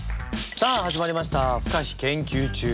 さあ始まりました「不可避研究中」。